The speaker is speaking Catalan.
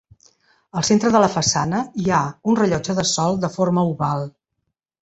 Al centre de la façana hi ha un rellotge de sol de forma oval.